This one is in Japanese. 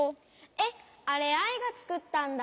えっあれアイがつくったんだ！